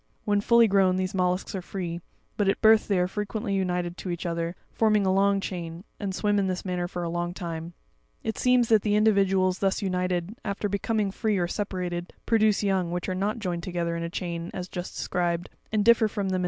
When full grown, these mollusks are free; but at birth they are fre quently united to each other, forming a long chain, and swim in this manner for a long time; it seems that the individuals thus united, after becoming free or separated, produce young, which are not joined together in a chain as just described, and differ from them.